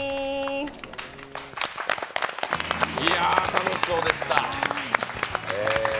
楽しそうでした。